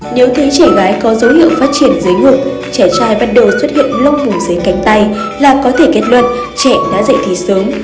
nếu thấy trẻ gái có dấu hiệu phát triển dưới ngực trẻ trai bắt đầu xuất hiện lông vùng dưới cánh tay là có thể kết luận trẻ đã dạy thì sớm